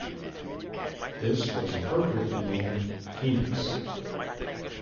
This was appropriately named "Phoenix".